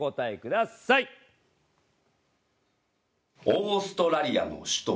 「オーストラリアの首都は？」